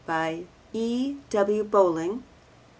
By E. W. Bowling.